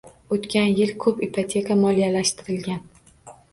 Oʻtgan yil koʻp ipoteka moliyalashtirilgan.